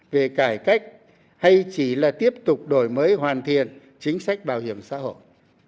về cải cách hay chỉ là tiếp tục đổi mới hoàn thiện chính sách bảo hiểm xã hội